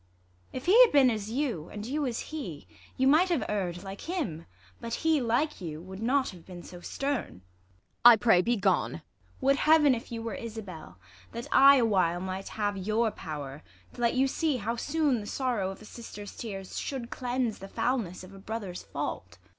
If he had been as you, And you as he, you might have err'd like him ; But he, like you, would not have been so stern. Ang. I pray, be gone ! ISAB. Would Heaven, if you were Isabell, that I A while might have your pow'r, to let you see How soon the sorrow of a sister's tears Should cleanse the foulness of a brother's fault.